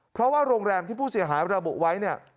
เพราะว่าโรงแรมที่ผู้เสียหายระบุไว้เนี่ย